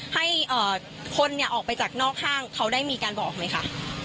ให้คนออกไปจากนอกห้างเขาได้มีการบอกไหมคะ